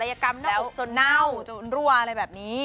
ที่ศัลยกรรมน่าอบจนเน่าจนรัวอะไรแบบนี้